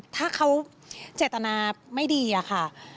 ถ้าเขาเจตนาไม่ดีอะค่ะ